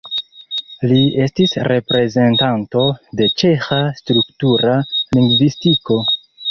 Li estis reprezentanto de ĉeĥa struktura lingvistiko.